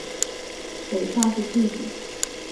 北尚是弟弟。